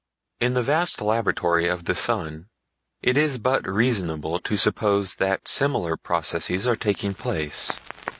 In the vast laboratory of the sun it is but reasonable to suppose that similar processes are taking place.